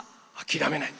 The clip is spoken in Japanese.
諦めない。